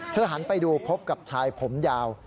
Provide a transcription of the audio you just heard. หันไปดูพบกับชายผมยาว